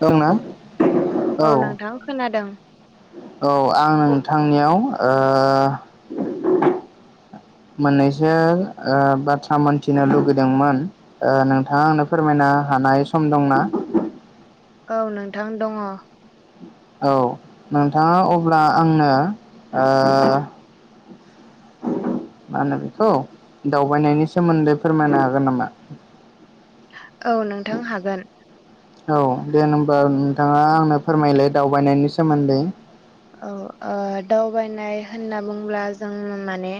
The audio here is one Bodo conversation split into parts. दं ना औ नोंथां खोनादों औ आं नोंथांनियाव [inaudible] मोननैसो ओ बाथ्रा मोनथिनो लुगैदोंमोन ओ नोंथाङा आंनो फोरमायनो हानाय सम दंना औ नोंथां दङ औ नोंथाङा अब्ला आंनो मा होनो बेखौ दावबायनायनि सोमोन्दै फोरमायनो हागोन नामा औ नोंथां हागोन औ दे होनबा नोंथाङा आंनो फोरमायलाय दावबायनायनि सोमोन्दै औ ओ दावबायनाय होनना बुंब्ला जों माने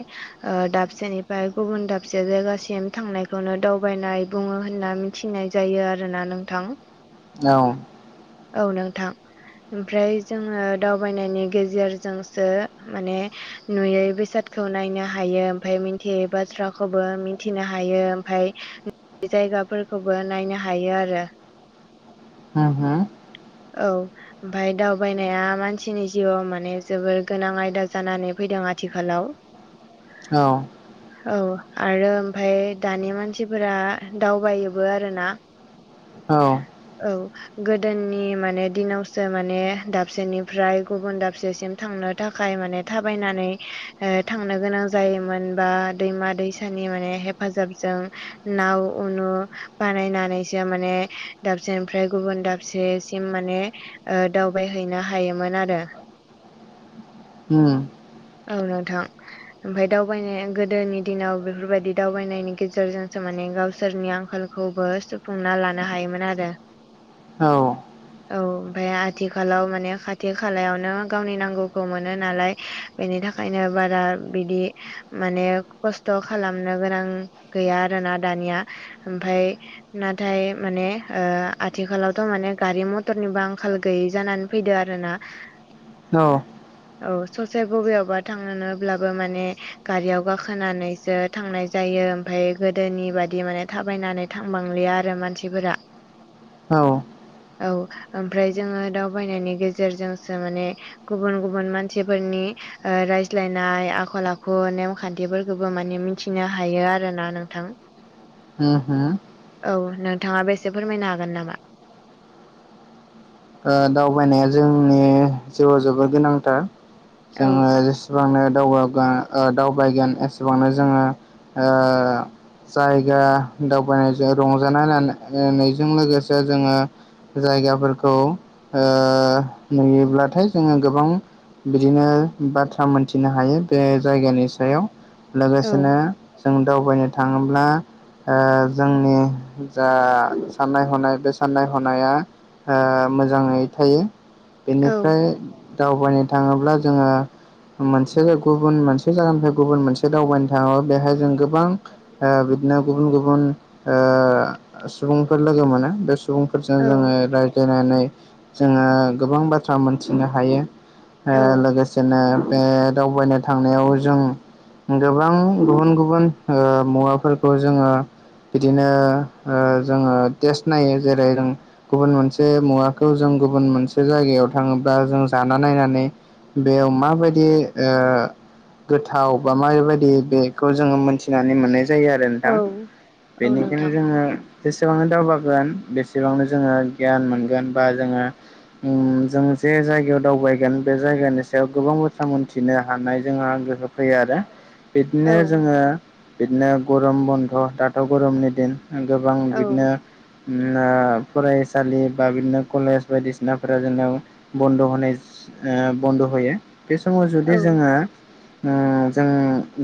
दाबसेनि फ्राय गुबुन दाबसे जायगासिम थांनायखौनो दावबायनाय बुङो होनना मिथिनाय जायो आरोना नोंथां औ औ नोंथां ओमफ्राय जोङो दावबायनायनि गेजेरजोंसो माने नुयै बेसादखौ नायनो हायो ओमफाय मिथियै बाथ्राखौबो मिथिनो हायो ओमफाय जायगाफोरखौबो नायनो हायो आरो। होम-होम। औ। ओमफाय दावबायनाया मानसिनि जिउआव माने जोबोर गोनां आयदा जानानै फैदों आथिखालाव। औ। औ आरो ओमफाय दानि मानसिफोरा दावबायोबो आरो ना। [inaudible] औ औ गोदोनि माने दिनावसो माने दाबसेनिफ्राय गुबुन दाबसेसिम थांनो थाखाय माने थाबायनानै ओ थांनो गोनां जायोमोन बा दैमा दैसानि माने हेफाजाबजों नाव उनु बानायनानैसो माने दाबसेनिफ्राय गुबुन दाबसे सिम माने ओ दावबायहैनो हायोमोन आरो ओम। औ नोंथां। ओमफाय दावबायनाया गोदोनि दिनाव बेफोरबायदि दावबायनायनि गेजेरजोंसो माने गावसोरनि आंखाल। खौबो सुफुंना लानो हायोमोन आरो। औ। औ ओमफाय आथिखालाव माने खाथि खालायावनो गावनि नांगौखौ मोनो नालाय। बेनि थाखायनो बारा बिदि माने कस्त'' खालामनो गोनां। गैया आरोना दानिया ओमफाय। नाथाय माने ओ आथिखालावथ' माने गारि-मतरनिबो आंखाल गैयि जानानै। फैदो आरोना। औ। औ ससे। बबेयावबा थांनोब्लाबो माने गारियाव गाखोनानैसो थांनाय। जायो ओमफाय गोदोनि बादि माने थाबायनानै थांबांलिया आरो मानसिफोरा। औ। औ ओमफ्राय जोङो दावबायनायनि गेजेरजोंसो माने। गुबुन- गुबुन मानसिफोरनि। ओ रायज्लायनाय आखल-आखु, नेमखान्थिफोरखौबो माने मिथिनो हायो आरोना नोंथां। [inaudible] हो- होम। औ नोंथाङाबो एसे फोरमायनो हागोन नामा? ओ दावबायनाया जोंनि जिउआव जोबोद गोनांथार औ जोङो। एसेबांनो दावगोन दावबायगोन एसेबांनो जोङो ओ। जायगा दावबायनायजों रंजानाय लानायानायजों लोगोसे जोङो। जायगाफोरखौ ओ नुयोब्लाथाय जोङो गोबां। बिदिनो बाथ्रा मोनथिनो हायो बे जायगानि सायाव। औ लोगोसेनो जों दावबायनो थाङोब्ला। ओ जोंनि जा साननाय-हनाय बे साननाय- हनाया। ओ मोजाङै थायो औ बेनिफ्राय दावबायनो थाङोब्ला जोङो। मोनसे गुबुन मोनसे जायगानिफ्राय गुबुन मोनसे दावबायनो थाङोबा बेहाय जों गो। गोबां ओ बिदिनो गुबुन-गुबुन ओ सुबुंफोर लोगो मोनो। सुबुंफोरजों जोङो औ रायज्लायनानै जोङो गोबां बाथ्रा मोनथिनो हायो। ओ औ लोगोसेनो बे दावबायनो थांनायाव जों। गोबां गुबुन गुबुन मुवाफोरखौ जोङो बिदिनो जोङो टेस्ट नायो जेरै जों गुबुन मोनसे बे मुवाखौ जों गुबुन मोनसे जायगायाव थाङोब्ला जों जाना नायनानै बेयाव माबायदि ओ गोथाव बा माबाबायदि बे खौ जोङो मोनथिनानै मोननाय जायो आरो औ नोंथां। औ बेनिखायनो नोंथां जोङो जेसेबांनो दावगागोन बेसेबांनो जोङो गियान मोनगोन बा जोङो उम जों जे जायगायाव दावबायगोन बे जायगानि सायाव गोबां बाथ्रा मोनथिनो हानाय जोंहा गोहो फैयो आरो औ बिदिनो जोङो बिदिनो गरम बन्द' दाथ' गरमनि दिन, गोबां औ बिदिनो ओ फरायसा सालि बा बिदिनो कलेज बायदिसिनाफोरा जोंनाव बन्द' होनाय। ओ बन्द' होयो बे समाव जुदि औ जोङो। ओ जों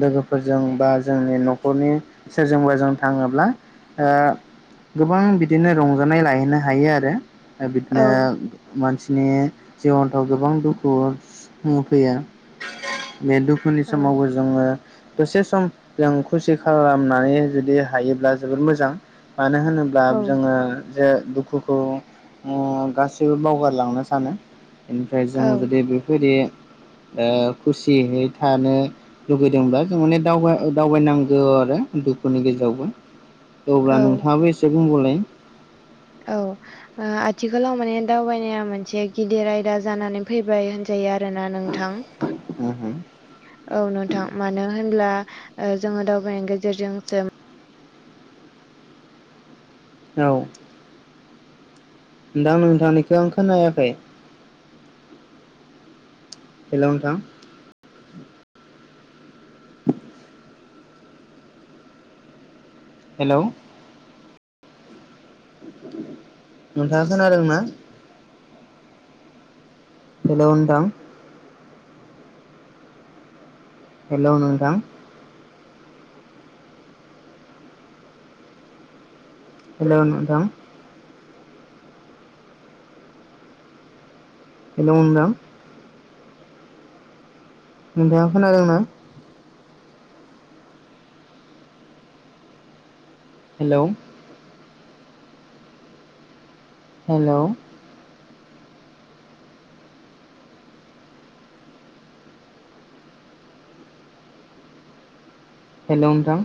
लोगोफोरजों बा जोंनि न'खरनि सोरजोंबाजों थाङोब्ला। ओ गोबां बिदिनो रंजानाय लाहैनो हायो आरो बिदिनो। औ मानसिनि जिबनफ्राव गोबां दुखु-दुखु फैयो। बे दुखुनि औ समावबो जों। जोङो दसे सम जों खुसि खालामनानै जुदि हायोब्ला जोबोर मोजां। मानो होनो। ब्ला औ जोङो जे दुखुखौ गासैबो बावगारलांनो सानो। बेनिफ्राय जों औ जुदि बेबायदि ओ खुसियै थानो लुगैदोंब्ला जों माने दाव दावबायनांगौ आरो दुखुनि गेजेरावबो। अब्ला औ नोंथाङाबो एसे बुंबावलाय। औ। ओआथिखालाव माने दावबायनाया मोनसे गिदिर आयदा जानानै फैबाय होनजायो आरोना नोंथां। [inaudible] औ औ नोंथां मानो होनब्ला ओ जों दावबायनायनि गेजेरजों जों औ। दा नोंथांनिखौ आं खोनायाखै। हेलौ नोंथां? [inaudible] हेलौ? नोंथाङा खोनादोंना? हेलौ नोंथां? हेल' नोंथां? हेलौ नोंथां? हेलौ नोंथां? नोंथाङा खोनादोंना? हेलव? हेलव? हेल' नोंथां?